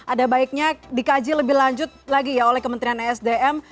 ada baiknya dikaji lebih lanjut lagi ya oleh kementerian esdm